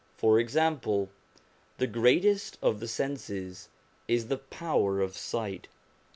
For example, the greatest of the senses is the power of sight.